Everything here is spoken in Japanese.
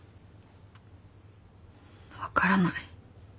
分からない。